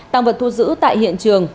tàng vật thu giữ tại hiện trường